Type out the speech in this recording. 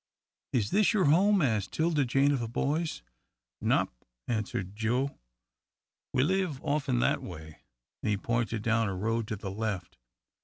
"Is this your home?" asked 'Tilda Jane, of the boys. "Nop," answered Joe, "we live off'n that way," and he pointed down a road to the left.